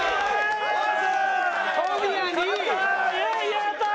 やったー！